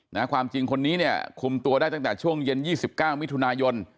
นะฮะความจริงคนนี้เนี่ยคุมตัวได้ตั้งแต่ช่วงเย็น๒๙มิถุนายน